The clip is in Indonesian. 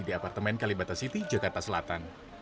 di apartemen kalibata city jakarta selatan